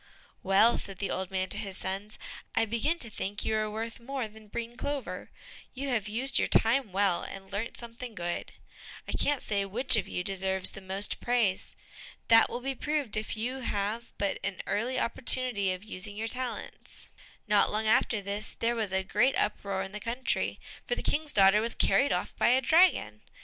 "Well," said the old man to his sons, "I begin to think you are worth more than breen clover; you have used your time well, and learnt something good. I can't say which of you deserves the most praise. That will be proved if you have but an early opportunity of using your talents." Not long after this, there was a great uproar in the country, for the King's daughter was carried off by a dragon.